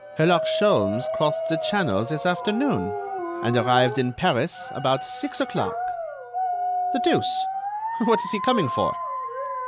"Herlock Sholmes crossed the Channel this afternoon, and arrived in Paris about six o'clock." "The deuce! What is he coming for?"